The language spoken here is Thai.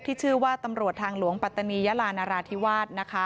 ที่ชื่อว่าตำรวจทางหลวงปัตตานียาลานราธิวาสนะคะ